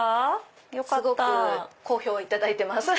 すごく好評いただいてます。